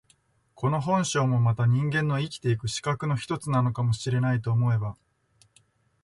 この本性もまた人間の生きて行く資格の一つなのかも知れないと思えば、